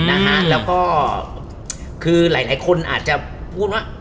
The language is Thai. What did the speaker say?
นะฮะแล้วก็คือหลายคนอาจจะพูดว่า